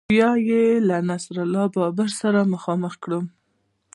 بیا یې له نصیر الله بابر سره مخامخ کړم